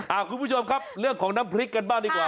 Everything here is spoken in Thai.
คุณผู้ชมครับเรื่องของน้ำพริกกันบ้างดีกว่า